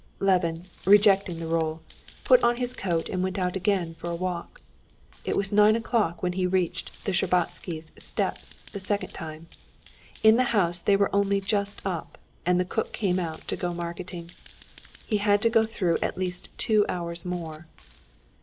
Levin, rejecting the roll, put on his coat and went out again for a walk. It was nine o'clock when he reached the Shtcherbatskys' steps the second time. In the house they were only just up, and the cook came out to go marketing. He had to get through at least two hours more.